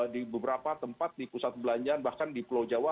di beberapa tempat di pusat perbelanjaan bahkan di pulau jawa